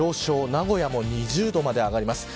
名古屋も２０度まで上がります。